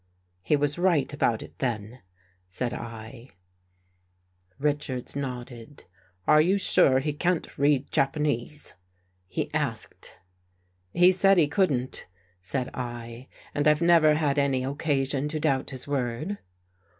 " He was right about it then? " said I. 105 8 THE GHOST GIRL Richards nodded. " Are you sure he can't read Japanese?" he asked. " He said he couldn't," said I, " and I've never had any occasion to doubt his word."